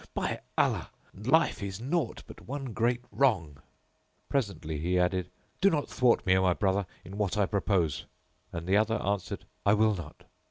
By Allah, life is naught but one great wrong." Presently he added, "Do not thwart me, O my brother, in what I propose;" and the other answered, "I will not."